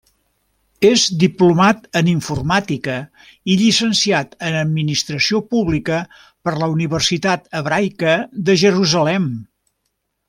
És diplomat en informàtica i llicenciat en administració pública per la Universitat Hebraica de Jerusalem.